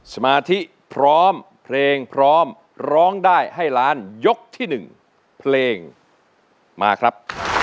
สมาธิพร้อมเพลงพร้อมร้องได้ให้ล้านยกที่๑เพลงมาครับ